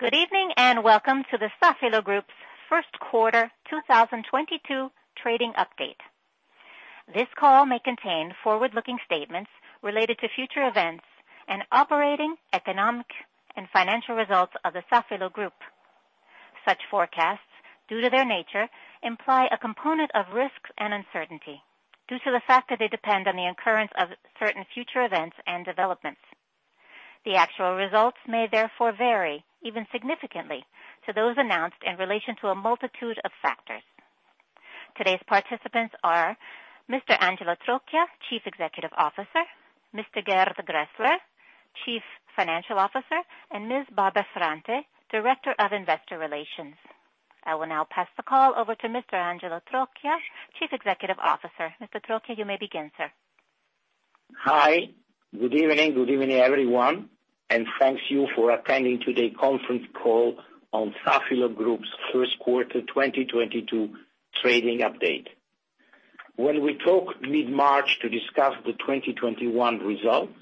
Good evening, and welcome to the Safilo Group's first quarter 2022 trading update. This call may contain forward-looking statements related to future events and operating, economic, and financial results of the Safilo Group. Such forecasts, due to their nature, imply a component of risks and uncertainty due to the fact that they depend on the occurrence of certain future events and developments. The actual results may therefore vary, even significantly, to those announced in relation to a multitude of factors. Today's participants are Mr. Angelo Trocchia, Chief Executive Officer, Mr. Gerd Graehsler, Chief Financial Officer, and Ms. Barbara Ferrante, Director of Investor Relations. I will now pass the call over to Mr. Angelo Trocchia, Chief Executive Officer. Mr. Trocchia, you may begin, sir. Hi. Good evening. Good evening, everyone, and thank you for attending today's conference call on Safilo Group's first quarter 2022 trading update. When we talked mid-March to discuss the 2021 results,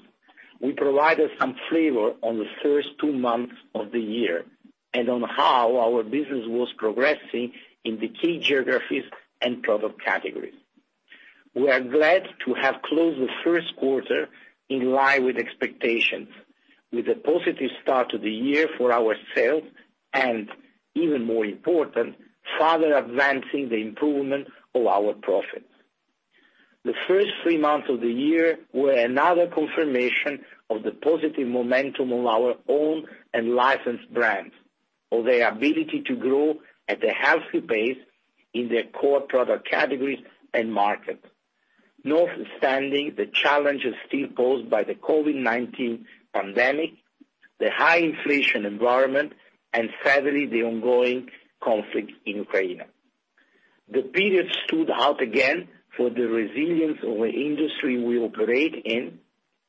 we provided some flavor on the first two months of the year and on how our business was progressing in the key geographies and product categories. We are glad to have closed the first quarter in line with expectations, with a positive start to the year for our sales and, even more important, further advancing the improvement of our profits. The first three months of the year were another confirmation of the positive momentum of our own and licensed brands or their ability to grow at a healthy pace in their core product categories and markets, notwithstanding the challenges still caused by the COVID-19 pandemic, the high inflation environment, and sadly, the ongoing conflict in Ukraine. The period stood out again for the resilience of the industry we operate in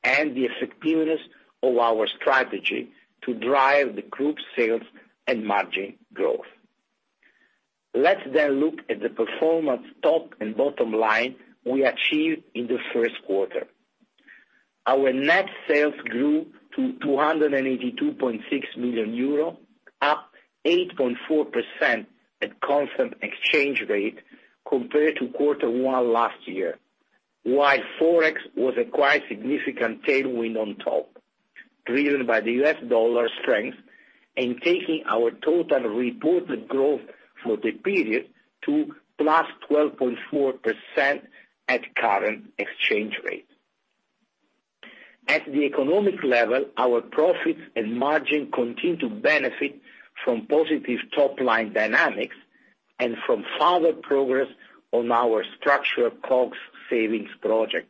and the effectiveness of our strategy to drive the group's sales and margin growth. Let's look at the performance top and bottom line we achieved in the first quarter. Our net sales grew to 282.6 million euro, up 8.4% at constant exchange rate compared to quarter one last year, while forex was a quite significant tailwind on top, driven by the U.S. dollar strength in taking our total reported growth for the period to +12.4% at current exchange rate. At the economic level, our profits and margin continue to benefit from positive top-line dynamics and from further progress on our structured COGS savings project.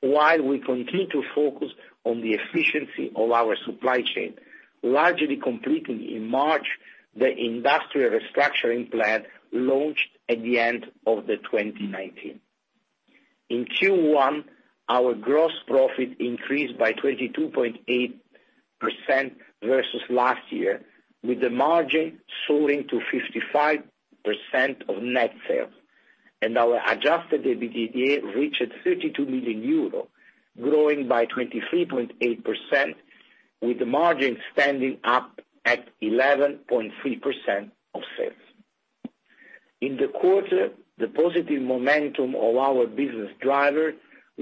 While we continue to focus on the efficiency of our supply chain, largely completing in March the industrial restructuring plan launched at the end of the 2019. In Q1, our gross profit increased by 22.8% versus last year, with the margin soaring to 55% of net sales, and our adjusted EBITDA reached 32 million euro, growing by 23.8%, with the margin standing up at 11.3% of sales. In the quarter, the positive momentum of our business driver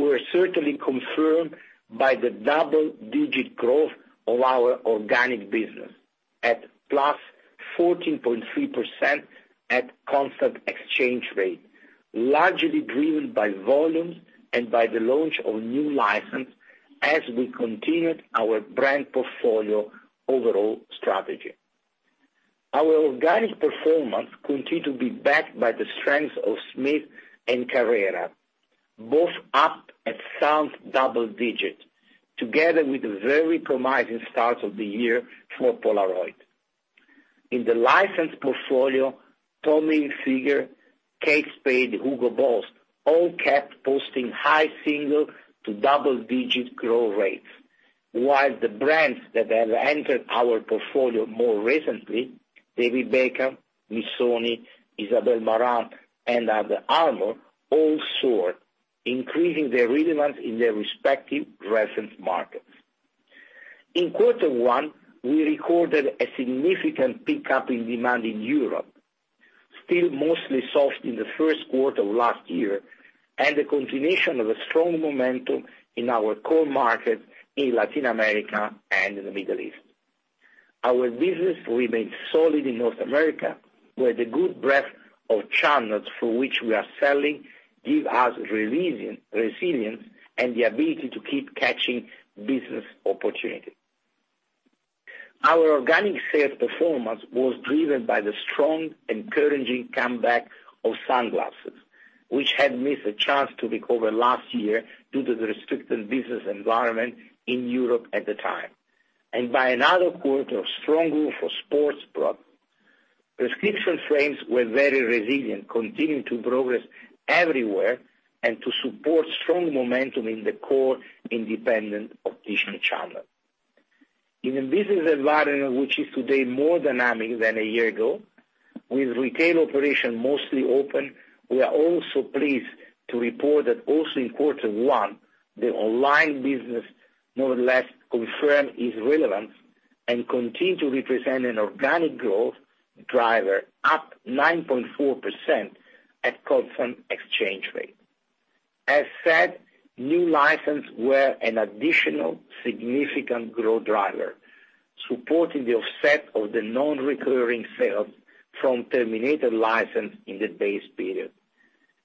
were certainly confirmed by the double-digit growth of our organic business at +14.3% at constant exchange rate, largely driven by volumes and by the launch of new license as we continued our brand portfolio overall strategy. Our organic performance continued to be backed by the strength of Smith and Carrera, both up at solid double digits, together with a very promising start of the year for Polaroid. In the license portfolio, Tommy Hilfiger, Kate Spade, HUGO BOSS, all kept posting high single- to double-digit growth rates, while the brands that have entered our portfolio more recently, David Beckham, Missoni, Isabel Marant, and Under Armour, all soared, increasing their relevance in their respective reference markets. In quarter one, we recorded a significant pickup in demand in Europe, still mostly soft in the first quarter of last year, and the continuation of a strong momentum in our core market in Latin America and in the Middle East. Our business remains solid in North America, where the good breadth of channels through which we are selling give us resilience and the ability to keep catching business opportunities. Our organic sales performance was driven by the strong, encouraging comeback of sunglasses, which had missed a chance to recover last year due to the restricted business environment in Europe at the time, and by another quarter of strong growth for sports products. Prescription frames were very resilient, continuing to progress everywhere and to support strong momentum in the core independent optician channel. In a business environment which is today more dynamic than a year ago. With retail operation mostly open, we are also pleased to report that also in quarter one, the online business more or less confirm its relevance and continue to represent an organic growth driver, up 9.4% at constant exchange rate. As said, new license were an additional significant growth driver, supporting the offset of the non-recurring sales from terminated license in the base period.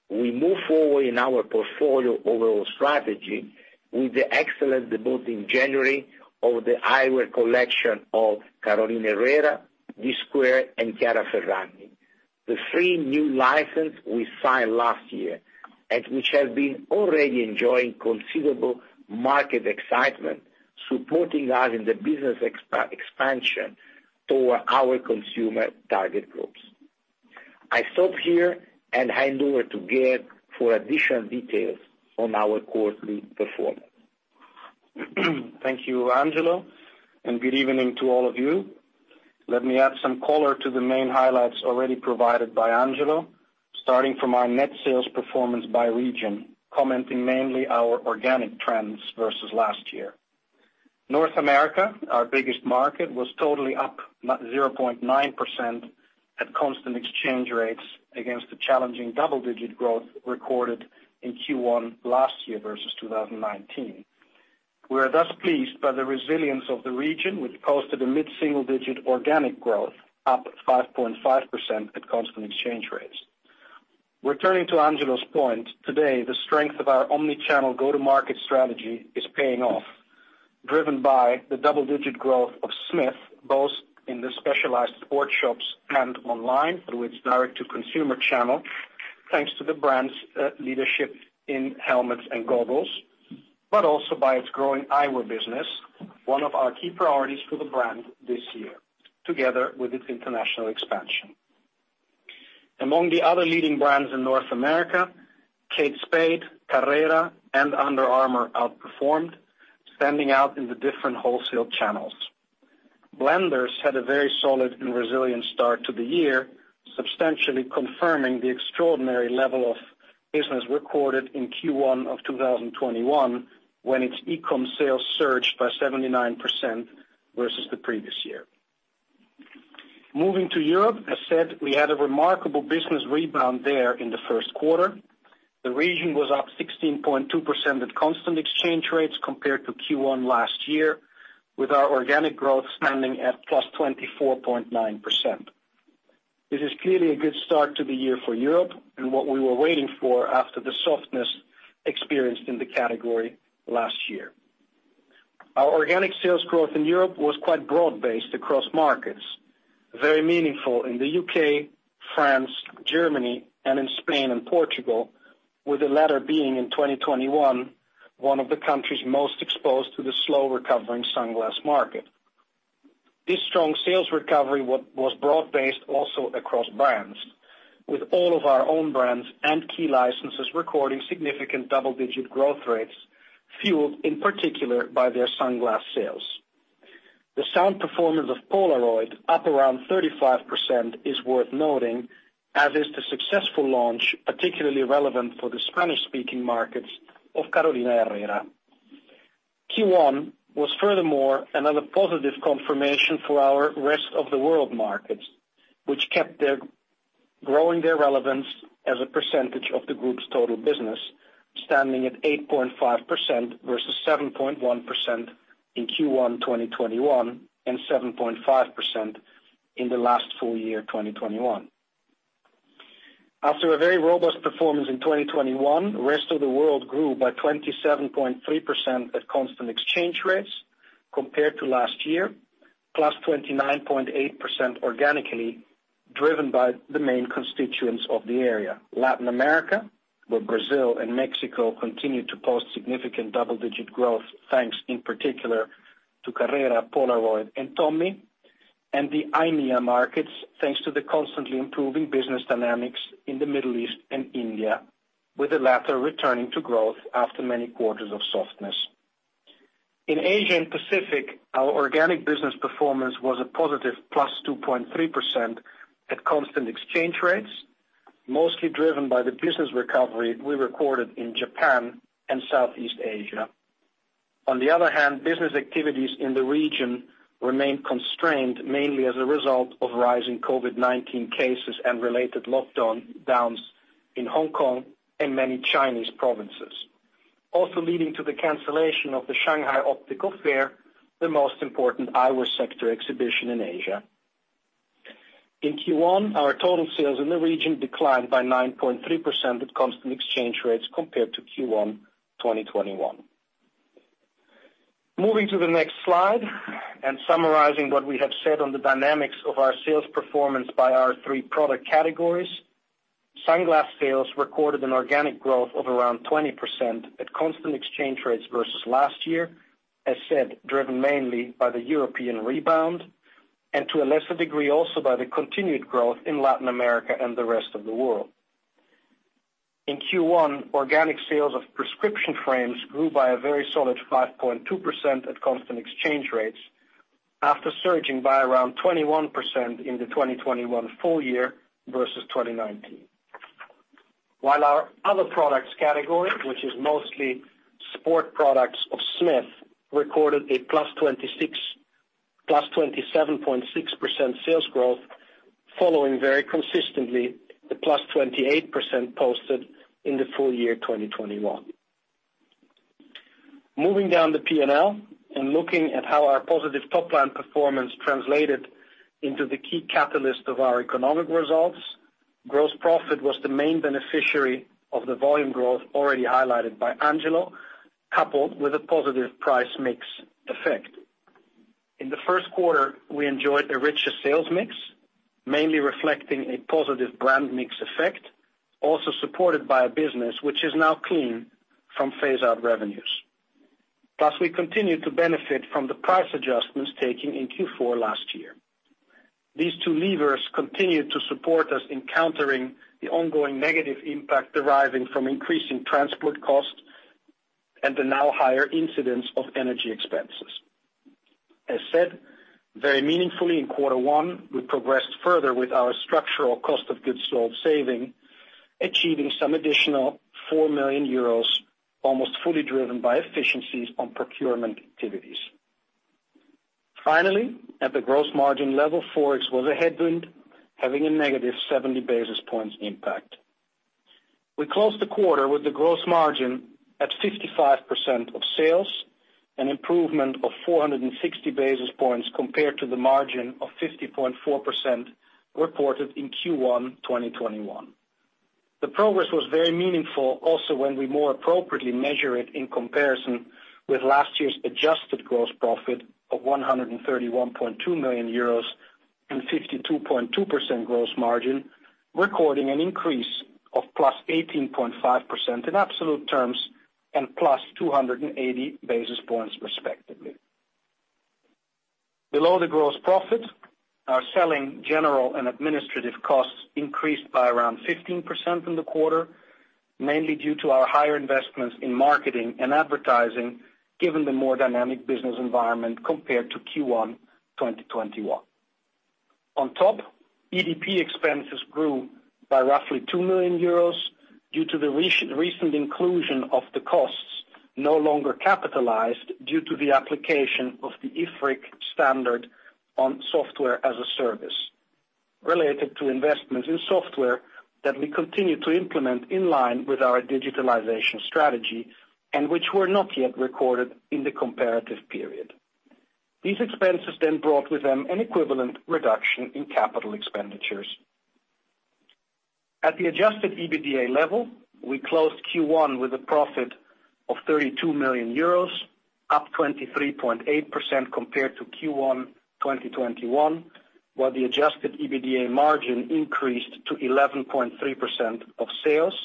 We move forward in our portfolio overall strategy with the excellent debut in January of the eyewear collection of Carolina Herrera, Dsquared2, and Chiara Ferragni. The three new license we signed last year and which have been already enjoying considerable market excitement, supporting us in the business expansion toward our consumer target groups. I stop here and hand over to Gerd for additional details on our quarterly performance. Thank you, Angelo, and good evening to all of you. Let me add some color to the main highlights already provided by Angelo, starting from our net sales performance by region, commenting mainly our organic trends versus last year. North America, our biggest market, was totally up 0.9% at constant exchange rates against the challenging double-digit growth recorded in Q1 last year versus 2019. We are thus pleased by the resilience of the region, which posted a mid-single-digit organic growth, up 5.5% at constant exchange rates. Returning to Angelo's point, today, the strength of our omni-channel go-to-market strategy is paying off, driven by the double-digit growth of Smith, both in the specialized sports shops and online through its direct-to-consumer channel, thanks to the brand's leadership in helmets and goggles, but also by its growing eyewear business, one of our key priorities for the brand this year, together with its international expansion. Among the other leading brands in North America, Kate Spade, Carrera, and Under Armour outperformed, standing out in the different wholesale channels. Blenders had a very solid and resilient start to the year, substantially confirming the extraordinary level of business recorded in Q1 of 2021, when its e-com sales surged by 79% versus the previous year. Moving to Europe, as said, we had a remarkable business rebound there in the first quarter. The region was up 16.2% at constant exchange rates compared to Q1 last year, with our organic growth standing at +24.9%. This is clearly a good start to the year for Europe and what we were waiting for after the softness experienced in the category last year. Our organic sales growth in Europe was quite broad-based across markets, very meaningful in the U.K., France, Germany, and in Spain and Portugal, with the latter being, in 2021, one of the countries most exposed to the slow-recovering sunglass market. This strong sales recovery was broad-based also across brands, with all of our own brands and key licenses recording significant double-digit growth rates, fueled in particular by their sunglass sales. The strong performance of Polaroid, up around 35%, is worth noting, as is the successful launch, particularly relevant for the Spanish-speaking markets of Carolina Herrera. Q1 was furthermore another positive confirmation for our rest of the world markets, which kept growing their relevance as a percentage of the group's total business, standing at 8.5% versus 7.1% in Q1 2021 and 7.5% in the last full year, 2021. After a very robust performance in 2021, Rest of the World grew by 27.3% at constant exchange rates compared to last year, plus 29.8% organically, driven by the main constituents of the area, Latin America, where Brazil and Mexico continued to post significant double-digit growth, thanks in particular to Carrera, Polaroid, and Tommy, and the EMEA markets, thanks to the constantly improving business dynamics in the Middle East and India, with the latter returning to growth after many quarters of softness. In Asia and Pacific, our organic business performance was a positive plus 2.3% at constant exchange rates, mostly driven by the business recovery we recorded in Japan and Southeast Asia. On the other hand, business activities in the region remained constrained mainly as a result of rising COVID-19 cases and related lockdowns in Hong Kong and many Chinese provinces, also leading to the cancellation of the China (Shanghai) International Optics Fair, the most important eyewear sector exhibition in Asia. In Q1, our total sales in the region declined by 9.3% at constant exchange rates compared to Q1 2021. Moving to the next slide, summarizing what we have said on the dynamics of our sales performance by our three product categories, sunglass sales recorded an organic growth of around 20% at constant exchange rates versus last year, as said, driven mainly by the European rebound, and to a lesser degree, also by the continued growth in Latin America and the rest of the world. In Q1, organic sales of prescription frames grew by a very solid 5.2% at constant exchange rates after surging by around 21% in the 2021 full year versus 2019. While our other products category, which is mostly sport products of Smith, recorded a +27.6% sales growth, following very consistently the +28% posted in the full year 2021. Moving down the P&L and looking at how our positive top line performance translated into the key catalyst of our economic results, gross profit was the main beneficiary of the volume growth already highlighted by Angelo, coupled with a positive price mix effect. In the first quarter, we enjoyed a richer sales mix, mainly reflecting a positive brand mix effect, also supported by a business which is now clean from phase-out revenues. Plus we continue to benefit from the price adjustments taken in Q4 last year. These two levers continued to support us in countering the ongoing negative impact deriving from increasing transport costs and the now higher incidence of energy expenses. As said, very meaningfully in quarter one, we progressed further with our structural cost of goods sold saving, achieving some additional 4 million euros, almost fully driven by efficiencies on procurement activities. Finally, at the gross margin level, Forex was a headwind, having a -70 basis points impact. We closed the quarter with the gross margin at 55% of sales, an improvement of 460 basis points compared to the margin of 50.4% reported in Q1 2021. The progress was very meaningful also when we more appropriately measure it in comparison with last year's adjusted gross profit of 131.2 million euros and 52.2% gross margin, recording an increase of +18.5% in absolute terms and +280 basis points respectively. Below the gross profit, our selling, general, and administrative costs increased by around 15% in the quarter, mainly due to our higher investments in marketing and advertising given the more dynamic business environment compared to Q1 2021. On top, EDP expenses grew by roughly 2 million euros due to the recent inclusion of the costs no longer capitalized due to the application of the IFRIC standard on software as a service related to investments in software that we continue to implement in line with our digitalization strategy and which were not yet recorded in the comparative period. These expenses then brought with them an equivalent reduction in capital expenditures. At the adjusted EBITDA level, we closed Q1 with a profit of 32 million euros, up 23.8% compared to Q1 2021, while the adjusted EBITDA margin increased to 11.3% of sales,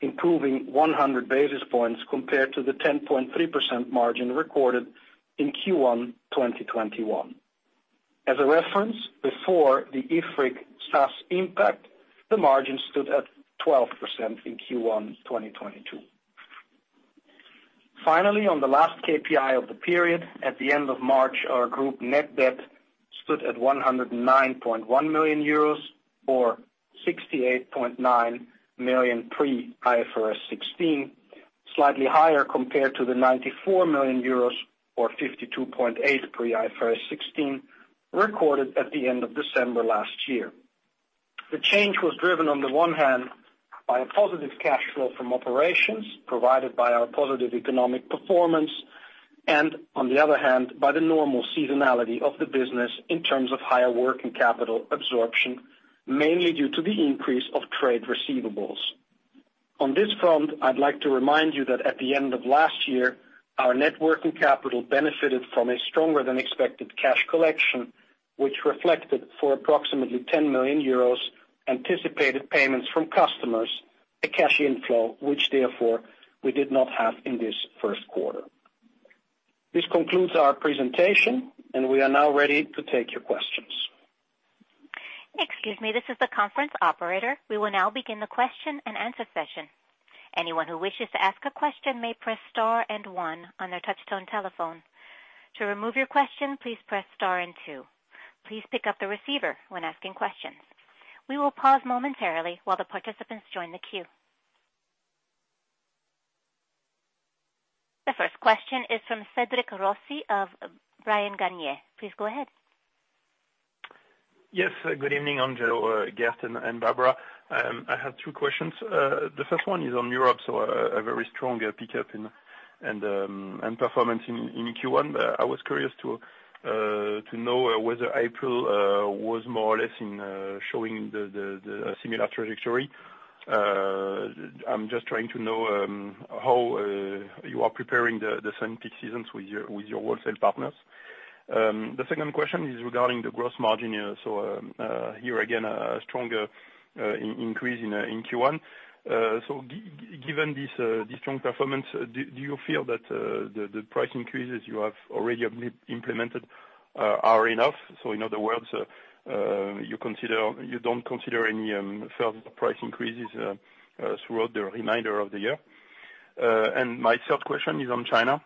improving 100 basis points compared to the 10.3% margin recorded in Q1 2021. As a reference, before the IFRIC SaaS impact, the margin stood at 12% in Q1 2022. Finally, on the last KPI of the period, at the end of March, our group net debt stood at 109.1 million euros or 68.9 million pre-IFRS 16, slightly higher compared to the 94 million euros or 52.8 million pre-IFRS 16 recorded at the end of December last year. The change was driven on the one hand by a positive cash flow from operations provided by our positive economic performance and on the other hand, by the normal seasonality of the business in terms of higher working capital absorption, mainly due to the increase of trade receivables. On this front, I'd like to remind you that at the end of last year, our net working capital benefited from a stronger than expected cash collection, which reflected for approximately 10 million euros anticipated payments from customers, a cash inflow which therefore we did not have in this first quarter. This concludes our presentation, and we are now ready to take your questions. Excuse me, this is the conference operator. We will now begin the question and answer session. Anyone who wishes to ask a question may press star and one on their touch-tone telephone. To remove your question, please press star and two. Please pick up the receiver when asking questions. We will pause momentarily while the participants join the queue. The first question is from Cédric Rossi of Bryan Garnier. Please go ahead. Yes, good evening, Angelo, Gerd, and Barbara. I have two questions. The first one is on Europe, so a very strong pickup and performance in Q1. I was curious to know whether April was more or less showing the similar trajectory. I'm just trying to know how you are preparing the sun peak seasons with your wholesale partners. The second question is regarding the gross margin. Here again a stronger increase in Q1. Given this strong performance, do you feel that the price increases you have already implemented are enough? In other words, you don't consider any further price increases throughout the remainder of the year? My third question is on China.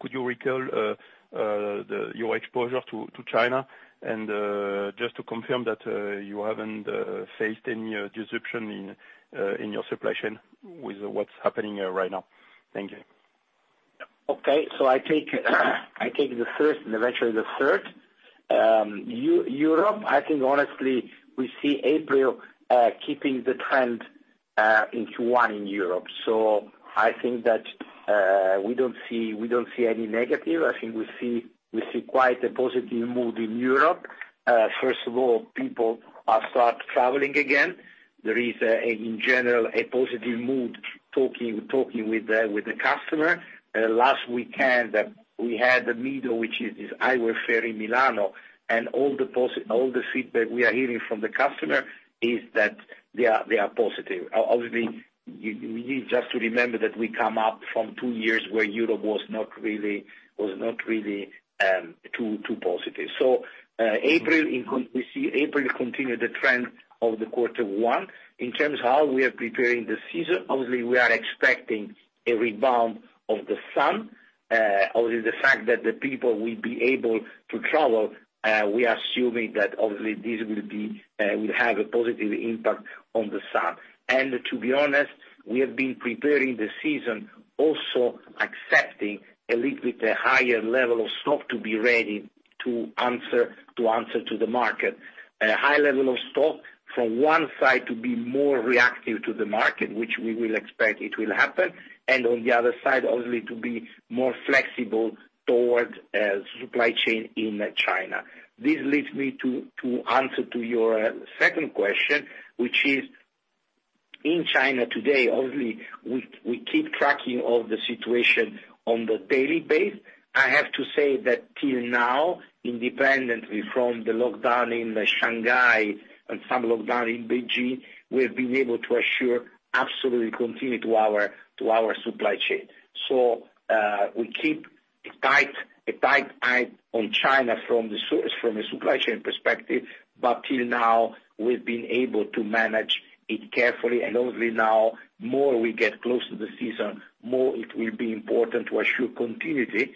Could you recall your exposure to China? Just to confirm that you haven't faced any disruption in your supply chain with what's happening right now. Thank you. I take the first and eventually the third. Europe, I think honestly we see April keeping the trend in Q1 in Europe. I think that we don't see any negative. I think we see quite a positive mood in Europe. First of all, people are start traveling again. There is, in general, a positive mood talking with the customer. Last weekend, we had a meeting which is eyewear fair in Milan. All the feedback we are hearing from the customer is that they are positive. Obviously, you need just to remember that we come up from two years where Europe was not really too positive. We see April continue the trend of quarter one. In terms of how we are preparing the season, obviously we are expecting a rebound of the sun. Obviously the fact that the people will be able to travel, we are assuming that obviously this will have a positive impact on the sun. To be honest, we have been preparing the season also accepting a little bit higher level of stock to be ready to answer to the market. A high level of stock from one side to be more reactive to the market, which we will expect it will happen. On the other side, obviously to be more flexible towards supply chain in China. This leads me to answer to your second question, which is in China today. Obviously we keep tracking of the situation on a daily basis. I have to say that till now, independently from the lockdown in Shanghai and some lockdown in Beijing, we've been able to assure absolutely continuity to our supply chain. We keep a tight eye on China from a supply chain perspective, but till now we've been able to manage it carefully. Obviously now more we get close to the season, more it will be important to assure continuity.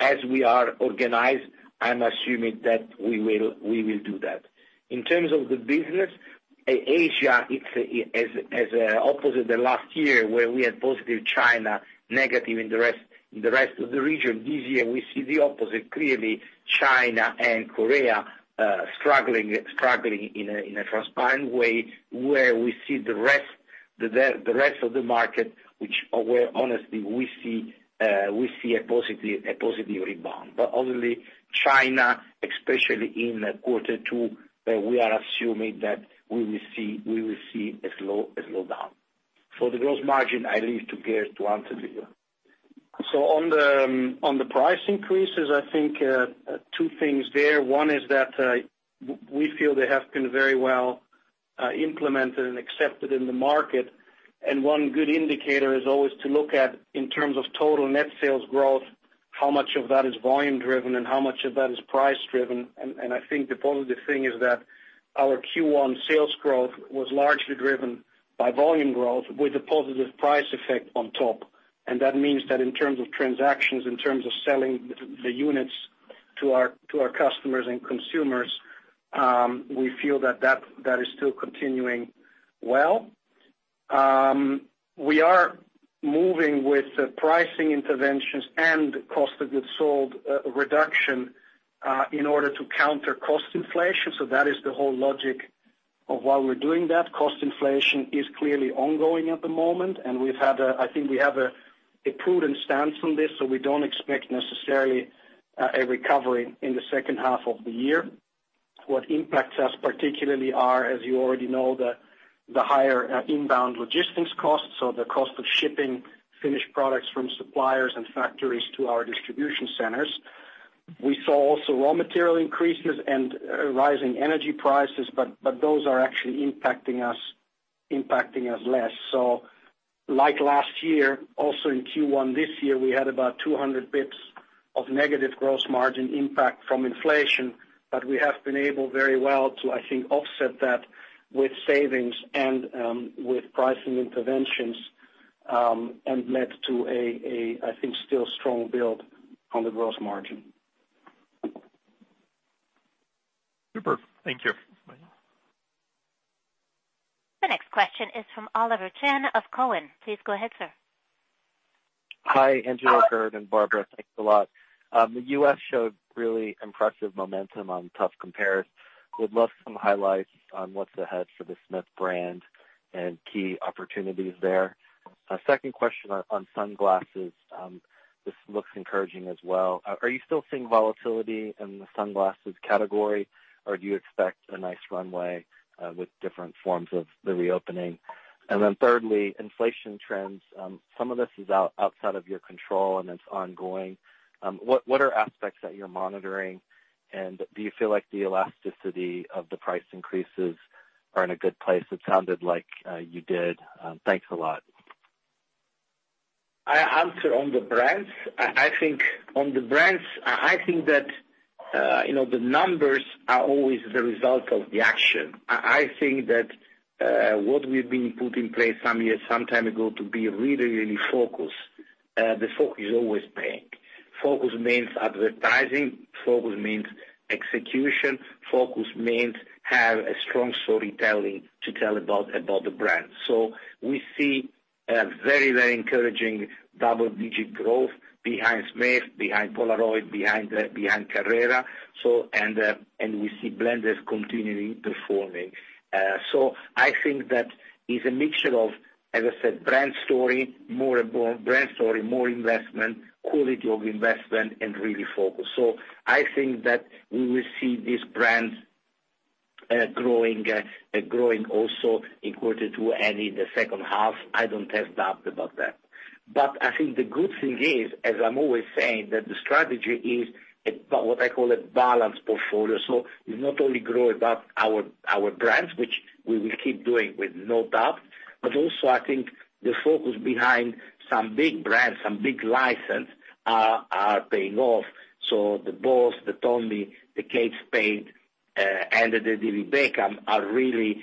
As we are organized, I'm assuming that we will do that. In terms of the business, Asia, it's opposite the last year where we had positive China, negative in the rest of the region, this year we see the opposite. Clearly China and Korea struggling in a transparent way, where we see the rest of the market, where honestly we see a positive rebound. Obviously China, especially in quarter two, we are assuming that we will see a slowdown. For the gross margin, I leave to Gerd to answer you. On the price increases, I think two things there. One is that we feel they have been very well implemented and accepted in the market. One good indicator is always to look at in terms of total net sales growth, how much of that is volume driven and how much of that is price driven. I think the positive thing is that our Q1 sales growth was largely driven by volume growth with a positive price effect on top. That means that in terms of transactions, in terms of selling the units to our customers and consumers, we feel that that is still continuing well. We are moving with the pricing interventions and cost of goods sold reduction in order to counter cost inflation. That is the whole logic of why we're doing that. Cost inflation is clearly ongoing at the moment, and we've had a prudent stance on this, so we don't expect necessarily a recovery in the second half of the year. What impacts us particularly are, as you already know, the higher inbound logistics costs, so the cost of shipping finished products from suppliers and factories to our distribution centers. We saw also raw material increases and rising energy prices, but those are actually impacting us less. Like last year, also in Q1 this year, we had about 200 basis points of negative gross margin impact from inflation, but we have been able very well, I think, to offset that with savings and with pricing interventions, and led to a, I think, still strong build on the gross margin. Super. Thank you. Bye. The next question is from Oliver Chen of TD Cowen. Please go ahead, sir. Hi, Angelo, Gerd, and Barbara. Thanks a lot. The U.S. showed really impressive momentum on tough compares. Would love some highlights on what's ahead for the Smith brand and key opportunities there. A second question on sunglasses. This looks encouraging as well. Are you still seeing volatility in the sunglasses category, or do you expect a nice runway with different forms of the reopening? Then thirdly, inflation trends. Some of this is outside of your control and it's ongoing. What are aspects that you're monitoring? And do you feel like the elasticity of the price increases are in a good place? It sounded like you did. Thanks a lot. I answer on the brands. I think on the brands, I think that, you know, the numbers are always the result of the action. I think that, what we've been put in place some time ago to be really, really focused, the focus is always paying. Focus means advertising, focus means execution, focus means have a strong storytelling to tell about the brand. We see a very, very encouraging double-digit growth behind Smith, behind Polaroid, behind Carrera. We see Blenders continuing performing. I think that is a mixture of, as I said, brand story, more brand story, more investment, quality of investment, and really focused. I think that we will see these brands growing also in quarter two and in the second half. I don't have doubt about that. I think the good thing is, as I'm always saying, that the strategy is what I call a balanced portfolio. It's not only growing our brands, which we will keep doing with no doubt, but also I think the focus behind some big brands, some big licenses are paying off. The BOSS, the Tommy Hilfiger, the Kate Spade, and the David Beckham are really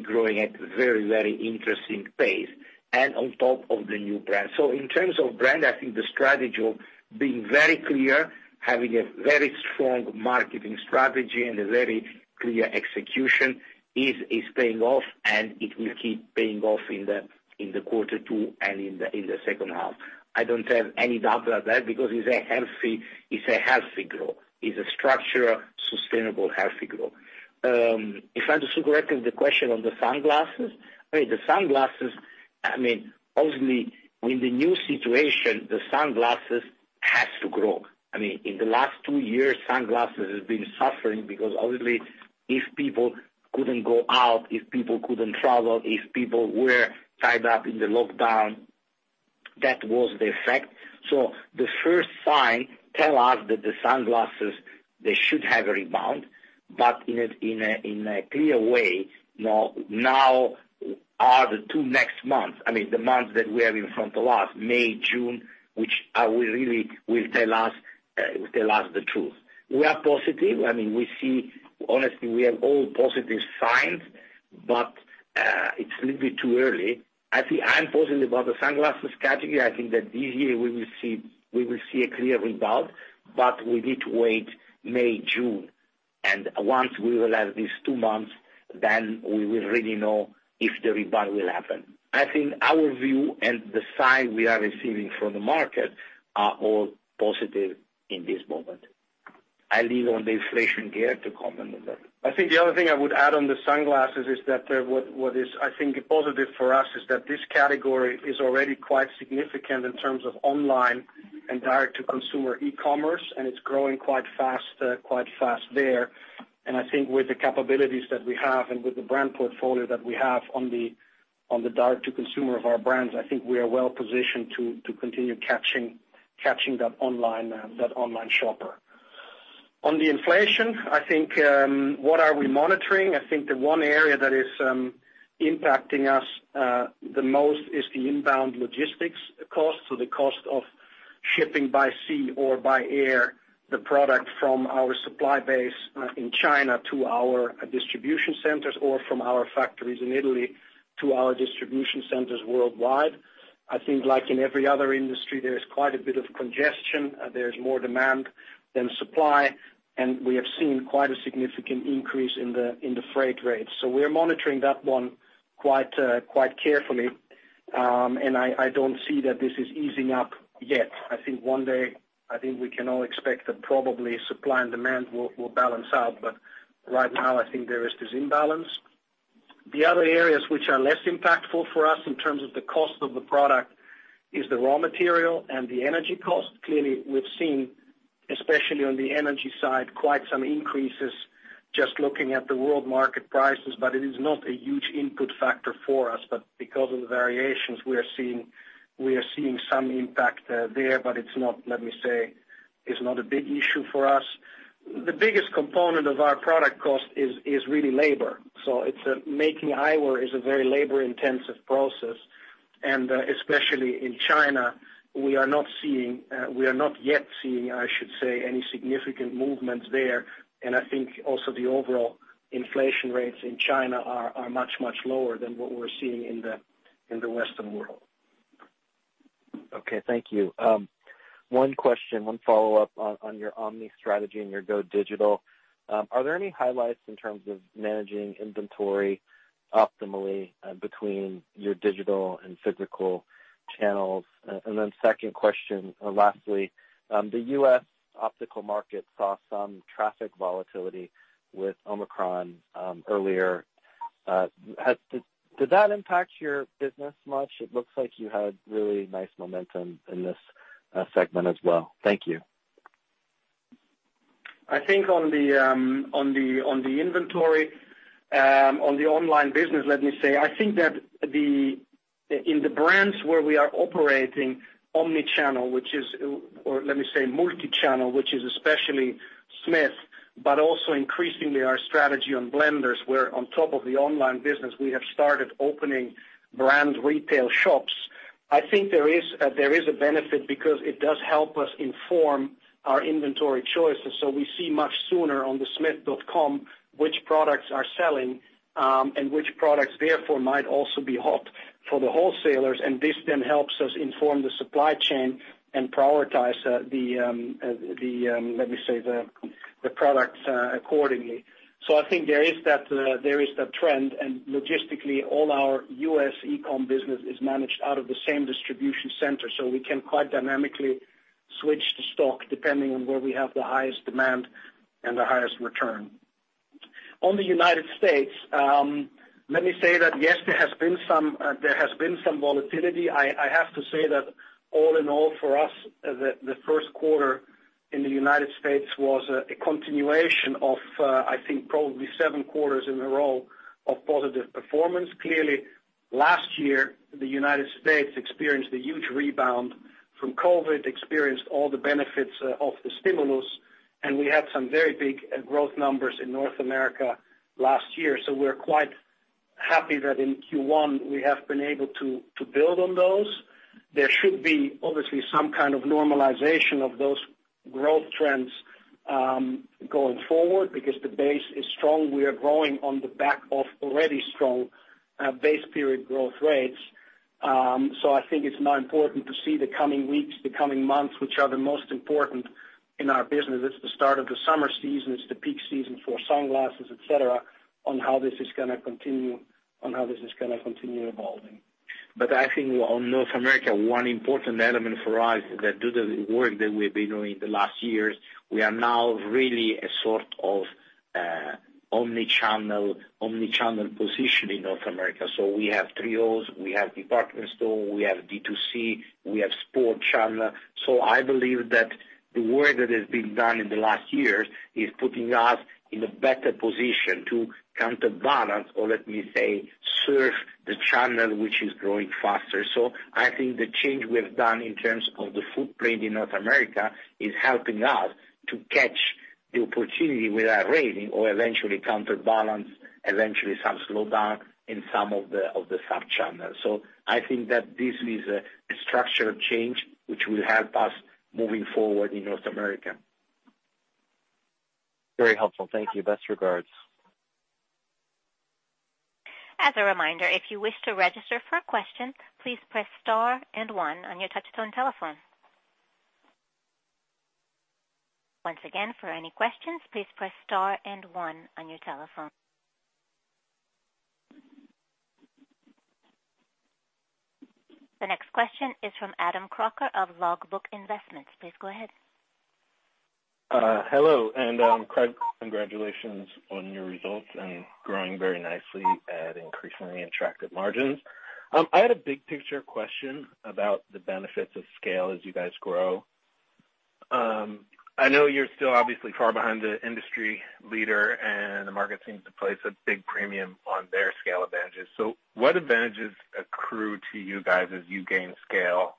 growing at very, very interesting pace, and on top of the new brand. In terms of brand, I think the strategy of being very clear, having a very strong marketing strategy, and a very clear execution is paying off, and it will keep paying off in the quarter two and in the second half. I don't have any doubt about that because it's a healthy growth. It's a structural, sustainable, healthy growth. If I understood correctly the question on the sunglasses, I mean, obviously with the new situation, the sunglasses has to grow. I mean, in the last two years, sunglasses has been suffering because obviously if people couldn't go out, if people couldn't travel, if people were tied up in the lockdown, that was the effect. The first sign tell us that the sunglasses, they should have a rebound, but in a clear way. Now are the two next months, I mean, the months that we have in front of us, May, June, which will really tell us the truth. We are positive. I mean, we see Honestly, we have all positive signs, but it's a little bit too early. I think I'm positive about the sunglasses category. I think that this year we will see a clear rebound, but we need to wait May, June. Once we will have these two months, then we will really know if the rebound will happen. I think our view and the sign we are receiving from the market are all positive in this moment. I'll leave the inflation to Gerd to comment on that. I think the other thing I would add on the sunglasses is that what is a positive for us is that this category is already quite significant in terms of online and direct-to-consumer e-commerce, and it's growing quite fast there. I think with the capabilities that we have and with the brand portfolio that we have on the direct to consumer of our brands, I think we are well positioned to continue catching that online shopper. On the inflation, I think what are we monitoring? I think the one area that is impacting us the most is the inbound logistics cost, so the cost of shipping by sea or by air the product from our supply base in China to our distribution centers or from our factories in Italy to our distribution centers worldwide. I think like in every other industry, there is quite a bit of congestion, there's more demand than supply, and we have seen quite a significant increase in the freight rates. We are monitoring that one quite carefully. I don't see that this is easing up yet. I think one day, I think we can all expect that probably supply and demand will balance out. Right now I think there is this imbalance. The other areas which are less impactful for us in terms of the cost of the product is the raw material and the energy cost. Clearly, we've seen, especially on the energy side, quite some increases just looking at the world market prices, but it is not a huge input factor for us. Because of the variations we are seeing, we are seeing some impact there, but it's not, let me say, it's not a big issue for us. The biggest component of our product cost is really labor. It's making eyewear is a very labor-intensive process. Especially in China, we are not yet seeing, I should say, any significant movements there. I think also the overall inflation rates in China are much lower than what we're seeing in the Western world. Okay. Thank you. One question, one follow-up on your omni strategy and your go digital. Are there any highlights in terms of managing inventory optimally between your digital and physical channels? And then second question, or lastly, the U.S. optical market saw some traffic volatility with Omicron earlier. Did that impact your business much? It looks like you had really nice momentum in this segment as well. Thank you. I think on the inventory on the online business, let me say, I think that in the brands where we are operating omni-channel, or let me say multi-channel, which is especially Smith. But also increasingly our strategy on Blenders, where on top of the online business, we have started opening brand retail shops. I think there is a benefit because it does help us inform our inventory choices. So we see much sooner on the smithoptics.com which products are selling, and which products therefore might also be hot for the wholesalers, and this then helps us inform the supply chain and prioritize the products accordingly. I think there is that trend, and logistically all our U.S. e-com business is managed out of the same distribution center, so we can quite dynamically switch the stock depending on where we have the highest demand and the highest return. In the United States, let me say that yes, there has been some volatility. I have to say that all in all for us, the first quarter in the United States was a continuation of, I think probably seven quarters in a row of positive performance. Clearly, last year, the United States experienced a huge rebound from COVID, experienced all the benefits of the stimulus, and we had some very big growth numbers in North America last year. We're quite happy that in Q1 we have been able to to build on those. There should be obviously some kind of normalization of those growth trends, going forward because the base is strong. We are growing on the back of already strong base period growth rates. I think it's now important to see the coming weeks, the coming months, which are the most important in our business. It's the start of the summer season. It's the peak season for sunglasses, et cetera, on how this is gonna continue evolving. I think on North America, one important element for us that due to the work that we've been doing the last years, we are now really a sort of omni-channel position in North America. We have Trios, we have department store, we have D2C, we have sport channel. I believe that the work that has been done in the last years is putting us in a better position to counterbalance or let me say, serve the channel which is growing faster. I think the change we have done in terms of the footprint in North America is helping us to catch the opportunity without straining or eventually counterbalance, eventually some slowdown in some of the sub-channels. I think that this is a structural change which will help us moving forward in North America. Very helpful. Thank you. Best regards. As a reminder, if you wish to register for a question, please press star and one on your touch tone telephone. Once again, for any questions, please press star and one on your telephone. The next question is from Adam Crocker of Logbook Investments. Please go ahead. Hello, Gerd Graehsler, congratulations on your results and growing very nicely at increasingly attractive margins. I had a big picture question about the benefits of scale as you guys grow. I know you're still obviously far behind the industry leader, and the market seems to place a big premium on their scale advantages. What advantages accrue to you guys as you gain scale?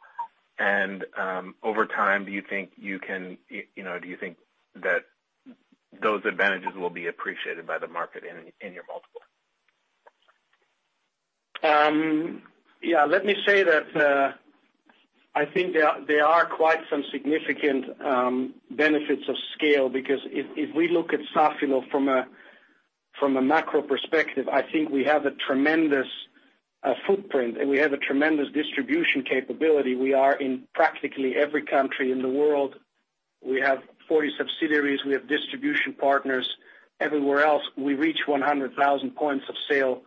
Over time, do you think you can, you know, do you think that those advantages will be appreciated by the market in your multiple? Yeah, let me say that, I think there are quite some significant benefits of scale because if we look at Safilo from a macro perspective, I think we have a tremendous footprint, and we have a tremendous distribution capability. We are in practically every country in the world. We have 40 subsidiaries. We have distribution partners everywhere else. We reach 100,000 points of sale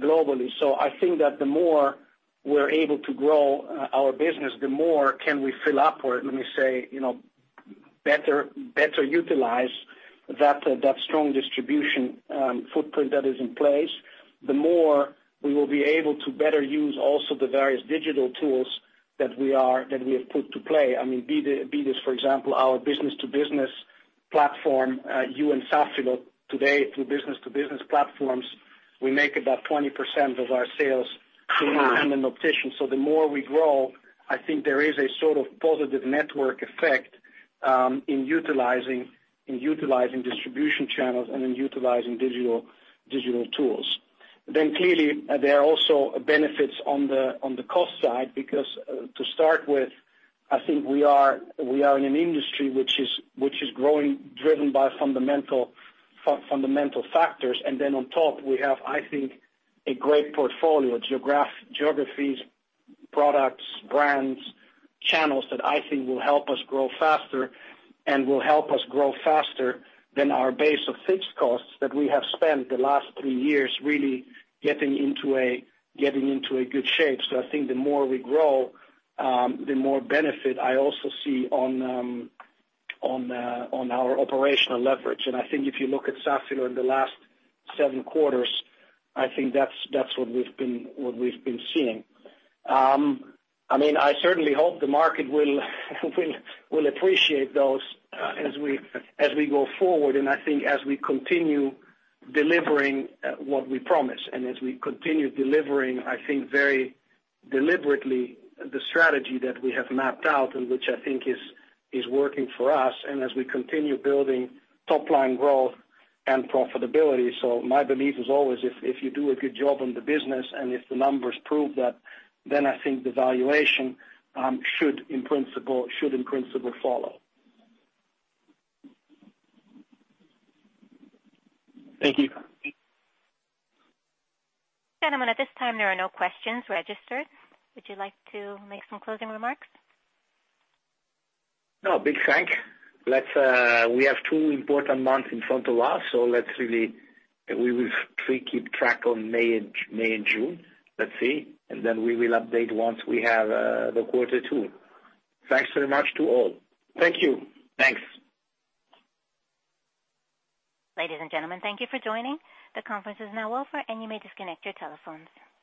globally. I think that the more we're able to grow our business, the more can we fill up or let me say, you know, better utilize that strong distribution footprint that is in place, the more we will be able to better use also the various digital tools that we have put to play. I mean, for example, our business to business platform. At Safilo today through business to business platforms, we make about 20% of our sales through independent opticians. The more we grow, I think there is a sort of positive network effect in utilizing distribution channels and in utilizing digital tools. Clearly, there are also benefits on the cost side because to start with, I think we are in an industry which is growing, driven by fundamental factors. On top we have, I think, a great portfolio, geographies, products, brands, channels that I think will help us grow faster than our base of fixed costs that we have spent the last three years really getting into a good shape. I think the more we grow, the more benefit I also see on our operational leverage. I think if you look at Safilo in the last seven quarters, I think that's what we've been seeing. I mean, I certainly hope the market will appreciate those as we go forward. I think as we continue delivering what we promise and as we continue delivering, I think very deliberately the strategy that we have mapped out and which I think is working for us and as we continue building top line growth and profitability. My belief is always if you do a good job on the business and if the numbers prove that, then I think the valuation should in principle follow. Thank you. Gentlemen, at this time, there are no questions registered. Would you like to make some closing remarks? No, big thanks. Let's, we have two important months in front of us, so let's really, we will strictly keep track on May and June. Let's see. Then we will update once we have the quarter two. Thanks very much to all. Thank you. Thanks. Ladies and gentlemen, thank you for joining. The conference is now over, and you may disconnect your telephones.